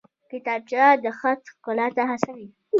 کتابچه د خط ښکلا ته هڅوي